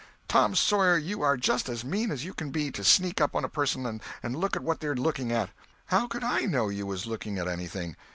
"Tom Sawyer, you are just as mean as you can be, to sneak up on a person and look at what they're looking at." "How could I know you was looking at anything?"